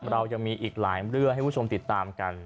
เรายังมีอีกหลายเรื่องให้คุณผู้ชมติดตามกัน